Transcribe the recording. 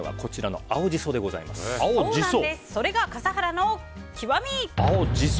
それが笠原の極み。